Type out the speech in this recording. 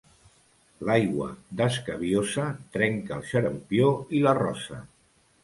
L'aigua d'escabiosa trenca el xarampió i la rosa.